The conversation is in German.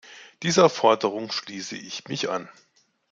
Dieser Forderung schließe ich mich an.